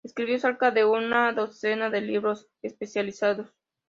Escribió cerca de una docena de libros especializados.